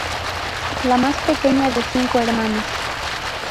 Es la más pequeña de cinco hermanas.